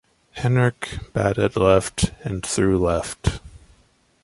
Henrich batted left and threw left.